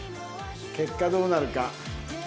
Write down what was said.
結果どうなるか。